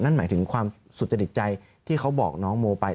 นั่นหมายถึงความสุจริตใจที่เขาบอกน้องโมไป